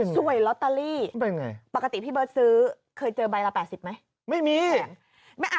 สวยลอตเตอรี่ปกติพี่เบิร์ตซื้อเคยเจอใบละ๘๐ไหมไม่มี